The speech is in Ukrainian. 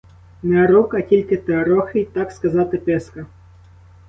Не рук, а тільки трохи, так сказати, писка.